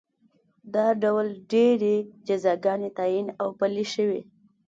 دا ډول ډېرې جزاګانې تعین او پلې شوې.